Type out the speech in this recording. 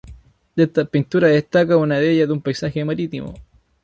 De estas pinturas destaca una de ellas con un paisaje marítimo.